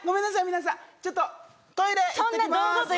皆さんちょっとトイレ行ってきます・